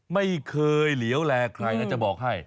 ไม่เคยเหลียวแลใครนะจะบอกให้